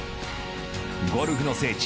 ゴルフの聖地